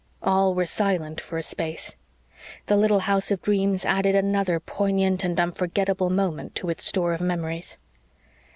All were silent for a space. The little house of dreams added another poignant and unforgettable moment to its store of memories.